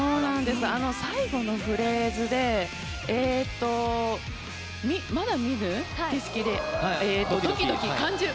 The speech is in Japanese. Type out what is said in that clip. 最後のフレーズで「まだ見ぬ景色でドキドキ感じる」。